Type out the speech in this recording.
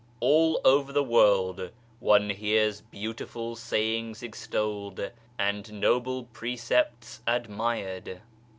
A LL over the world one hears beautiful sayings extolled " and noble precepts admired.